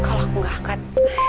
kalau aku nggak angkat